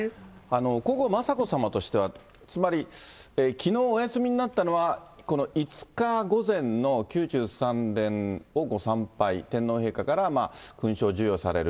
皇后雅子さまとしては、つまり、きのうお休みになったのは、５日午前の宮中三殿をご参拝、天皇陛下から勲章を授与される。